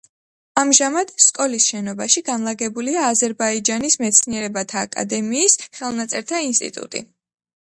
ამჟამად, სკოლის შენობაში განლაგებულია აზერბაიჯანის მეცნიერებათა აკადემიის ხელნაწერთა ინსტიტუტი.